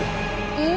えっ？